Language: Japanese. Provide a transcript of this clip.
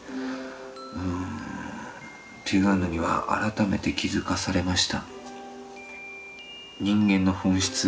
うんっていうのには改めて気付かされました。